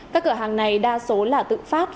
các cửa hàng này đa số là tự phát